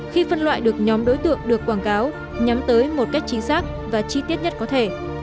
khi phân loại được nhóm đối tượng được quảng cáo nhắm tới một cách chính xác và chi tiết nhất có thể